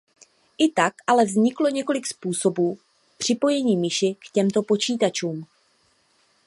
I tak ale vzniklo několik způsobů připojení myši k těmto počítačům.